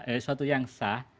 eh sesuatu yang sah